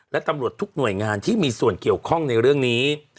และตำรวจทุกหน่วยงานที่มีส่วนเกี่ยวข้องในเรื่องนี้